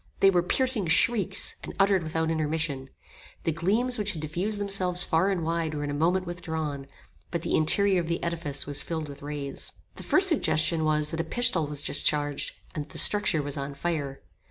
They were piercing shrieks, and uttered without intermission. The gleams which had diffused themselves far and wide were in a moment withdrawn, but the interior of the edifice was filled with rays. The first suggestion was that a pistol was discharged, and that the structure was on fire.